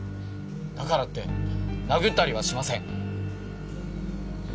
だからって殴ったりはしません。